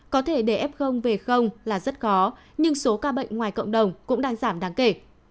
có thể để f về là rất khó nhưng số ca bệnh ngoài cộng đồng cũng đang giảm đáng kể